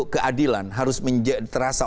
keadilan harus terasa